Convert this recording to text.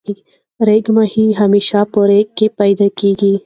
ریګ ماهی همیشه په ریګ کی پیدا کیږی.